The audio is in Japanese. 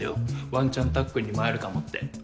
ワンチャンたっくんにも会えるかもって。